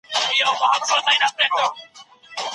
بې بنسټه اړيکې د ګټې پر ځای تاوانونه لري.